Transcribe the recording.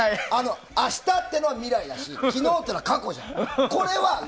明日っていうのは未来だし昨日っていうのは過去じゃん。